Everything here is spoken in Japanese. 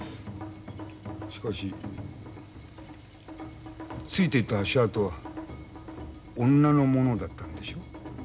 しかしついていた足跡は女のものだったんでしょう？